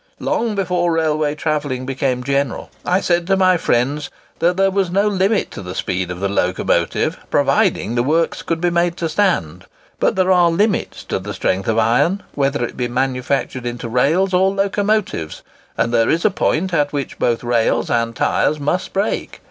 Long before railway travelling became general, I said to my friends that there was no limit to the speed of the locomotive, provided the works could be made to stand. But there are limits to the strength of iron, whether it be manufactured into rails or locomotives; and there is a point at which both rails and tyres must break.